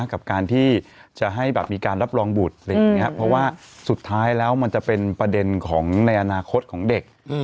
กับการที่จะให้มีการรับรองบุตรเพราะว่าสุดท้ายแล้วมันจะเป็นประเด็นในอนาคตของเด็ก